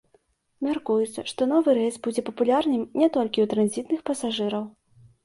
Мяркуецца, што новы рэйс будзе папулярным не толькі ў транзітных пасажыраў.